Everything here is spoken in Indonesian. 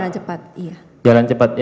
cepat iya jalan cepat